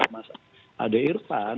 mas adi irfan